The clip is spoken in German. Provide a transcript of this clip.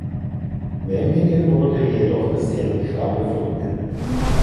Memmingen wurde jedoch bisher nicht angeflogen.